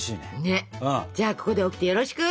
ねっじゃあここでオキテよろしく！